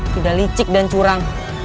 tidak licik dan curang